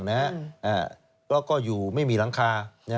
แล้วก็อยู่ไม่มีหลังคา